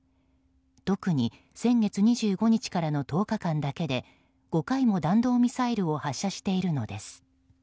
特に先月２５日からの１０日間だけで５回も弾道ミサイルを発射しているのです。